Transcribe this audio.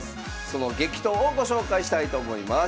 その激闘をご紹介したいと思います。